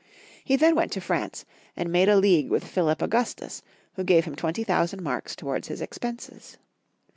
He then went to France, and made a league with Philip Augus tus, who gave him twenty thousand marks towards his expenses.